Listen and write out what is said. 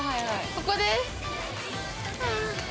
ここです！